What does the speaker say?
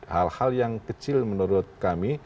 hal hal yang kecil menurut kami